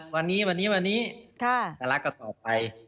วันนี้ธนารักษ์ก็ตอบไป